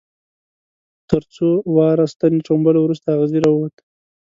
تر څو واره ستنې ټومبلو وروسته اغزی را ووت.